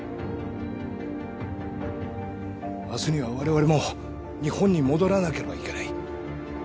明日には、我々も日本に戻らなければならない。